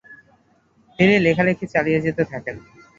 তিনি লেখালেখি চালিয়ে যেতে থাকেন।